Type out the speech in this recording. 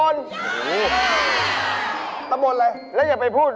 ตำบลอะไรแล้วอย่าไปพูด